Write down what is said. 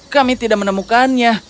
kami tidak menemukannya